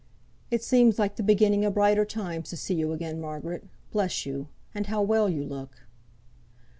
"It seems like the beginning o' brighter times, to see you again, Margaret. Bless you! And how well you look!"